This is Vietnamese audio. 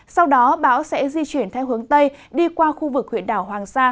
sau đó bão sẽ di chuyển theo hướng tây đi qua khu vực huyện đảo hoàng sa